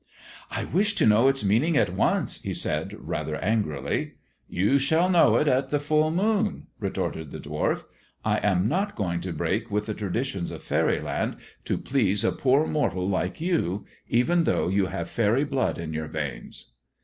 " I wish to know its meaning at once," he said rather angrily. " You shall know it at the full moon,'* retorted the dwarf. " I am not going to break with the traditions of faery land to please a poor mortal like you, even though you have faery blood in your veins."